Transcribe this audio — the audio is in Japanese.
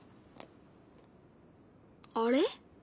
あれ？